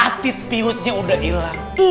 atit piutnya udah ilang